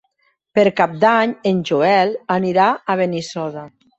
Per Cap d'Any en Joel anirà a Benissoda.